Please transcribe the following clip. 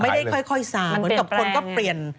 ได้ค่อยซาเหมือนกับคนก็เปลี่ยน